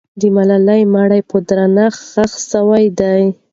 د ملالۍ مړی په درنښت ښخ سوی دی.